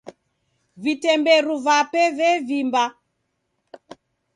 Vitemberu vape vevimba.